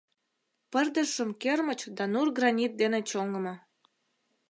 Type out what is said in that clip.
Пырдыжшым кермыч да нур гранит дене чоҥымо.